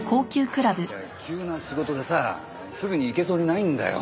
いや急な仕事でさすぐに行けそうにないんだよ。